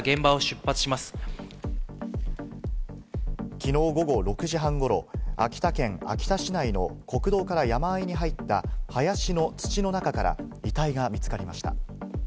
昨日午後６時半頃、秋田県秋田市内の国道から山あいに入った林の土の中から遺体が見つかりました。